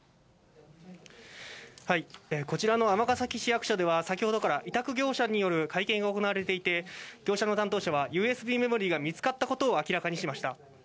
こちらの尼崎市役所では、先ほどから委託業者による会見が行われていて、業者の担当者は、ＵＳＢメモリーが見つかったことを明らかにしました。